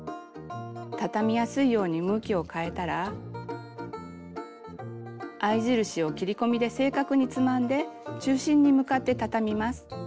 たたみやすいように向きを変えたら合い印を切り込みで正確につまんで中心に向かってたたみます。